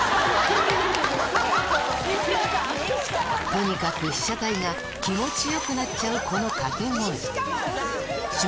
とにかく被写体が気持ちよくなっちゃうこの掛け声。